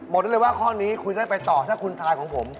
บอกได้เลยว่าข้อนี้คุณได้ไปต่อถ้าคุณทายของผม